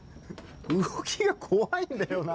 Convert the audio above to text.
動きが怖いんだよな。